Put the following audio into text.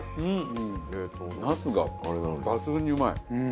茄子が抜群にうまい。